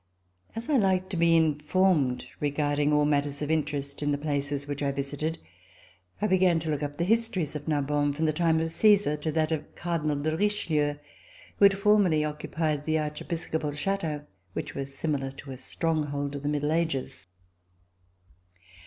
As I liked to be informed regarding all matters of interest in the places which I visited, I began to look up the histories of Narbonne from the time of Caesar to that of Cardinal de Richelieu, who had formerly occupied the archiepiscopal chateau, which was similar to a strong hold of the middle ages.